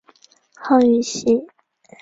号玉溪。